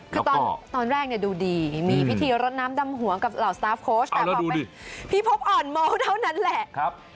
คือตอนแรกเนี่ยดูดีมีพิธีรดน้ำดำหัวกับเหล่าสตาร์ฟโค้ชแต่พอเป็นพี่พกอ่อนเมาเท่านั้นแหละ